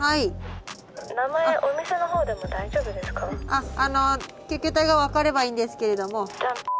あっあの救急隊が分かればいいんですけれども。